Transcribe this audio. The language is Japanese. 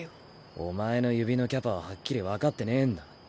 お前の指のキャパははっきり分かってねぇんだ。